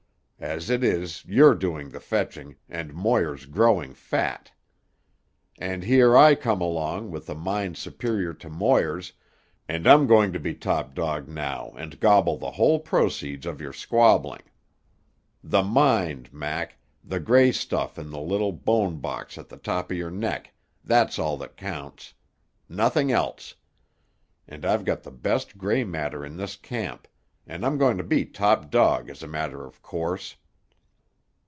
As it is, you're doing the fetching, and Moir's growing fat. And here I come along, with a mind superior to Moir's, and I'm going to be top dog now and gobble the whole proceeds of your squabbling. The mind, Mac, the grey stuff in the little bone box at the top of your neck, that's all that counts. Nothing else. And I've got the best grey matter in this camp, and I'm going to be top dog as a matter of course."